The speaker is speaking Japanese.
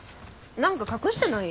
何か隠してない？